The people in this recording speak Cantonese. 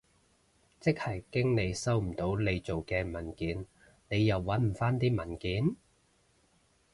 即係經理收唔到你做嘅文件，你又搵唔返啲文件？